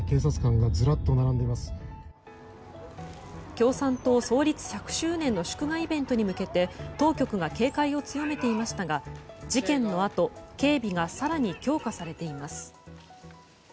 共産党創立１００周年の祝賀イベントに向けて当局が警戒を強めていましたが事件のあと警備が更に強化されています。